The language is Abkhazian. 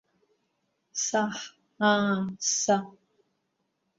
Саҳ, аа са…